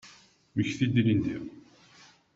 Mmekti-d ilindi.